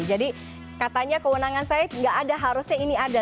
jadi katanya kewenangan saya tidak ada harusnya ini ada